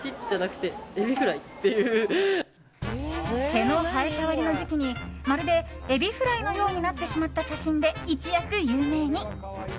毛の生え変わりの時期にまるでエビフライのようになってしまった写真で一躍有名に。